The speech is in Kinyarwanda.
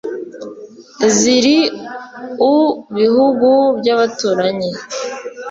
ziri u bihugu by'abaturanyi.